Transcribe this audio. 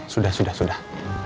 sudah sudah sudah